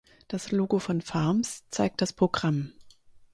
Das Logo von Farms zeigt das Programm.